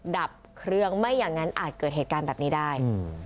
ดับเครื่องไม่อย่างนั้นอาจเกิดเหตุการณ์แบบนี้ได้